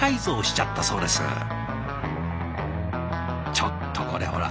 ちょっとこれほら。